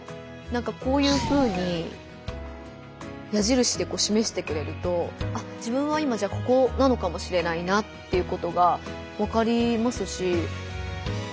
こういうふうに矢じるしでしめしてくれるとあっ自分は今じゃあここなのかもしれないなということがわかりますし。